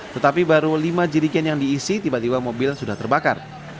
tetapi baru lima jirigen yang diisi tiba tiba mobil sudah terbakar